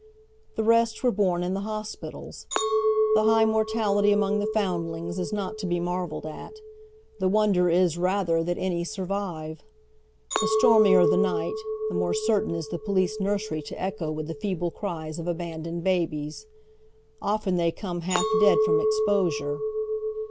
The i est were born in the hospitals. The high mortality among the foundlings is not to be marvelled at. The wonder is, rather, that any survive. Tlie stormier the night, the more certain is the police nursery to echo with the feeble cries of abandoned babes. Often they come half dead fi'om exposure.